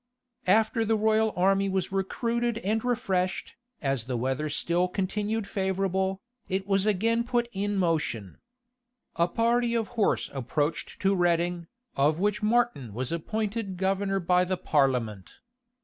After the royal army was recruited and refreshed, as the weather still continued favorable, it was again put in motion, A party of horse approached to Reading, of which Martin was appointed governor by the parliament.